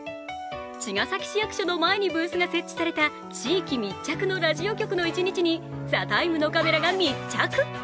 茅ヶ崎市役所の前にブースが設置された地域密着のラジオ局の一日に「ＴＨＥＴＩＭＥ，」のカメラが密着。